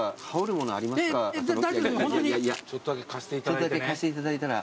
ちょっとだけ貸していただいてね。